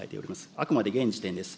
あくまで現時点です。